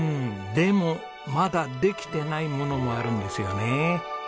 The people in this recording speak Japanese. でもまだできてないものもあるんですよね。